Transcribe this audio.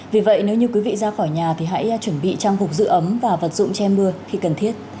vì vậy nếu như quý vị ra khỏi nhà thì hãy chuẩn bị trang phục giữ ấm và vật dụng che mưa khi cần thiết